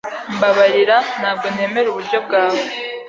Mbabarira, . Ntabwo nemera uburyo bwawe.